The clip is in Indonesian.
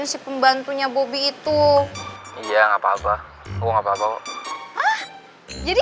ih sini makin jadi tante sayang sama bobi